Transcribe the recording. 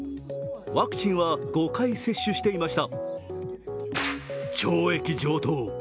ワクチンは５回接種していました。